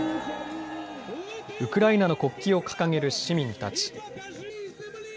ウクライナの国旗を掲げる市民たち。